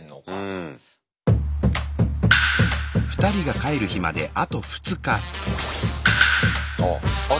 うん。ああ。